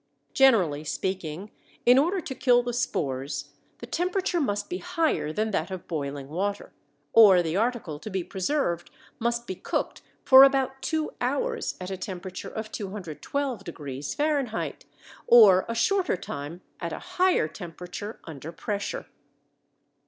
Generally speaking, in order to kill the spores the temperature must be higher than that of boiling water, or the article to be preserved must be cooked for about two hours at a temperature of 212° F., or a shorter time at a higher temperature under pressure.